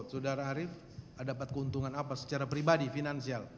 saudara arief dapat keuntungan apa secara pribadi finansial